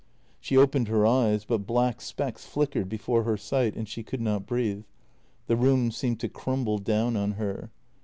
She opened her eyes, but black specks flick ered before her sight and she could not breathe. The room seemed to crumble down on her.